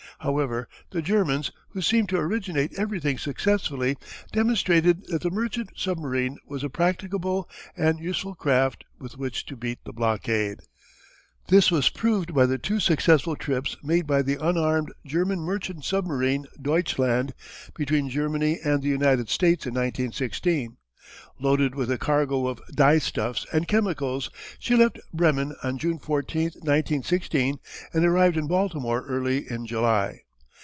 However the Germans who seemed to originate everything successfully demonstrated that the merchant submarine was a practicable and useful craft with which to beat the blockade. This was proved by the two successful trips made by the unarmed German merchant submarine Deutschland between Germany and the United States in 1916. Loaded with a cargo of dyestuffs and chemicals she left Bremen on June 14, 1916, and arrived in Baltimore early in July.